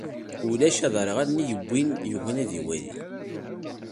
Ulac aderɣal nnig n win yugin ad iwali.